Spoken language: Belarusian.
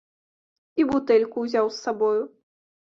І бутэльку ўзяў з сабою.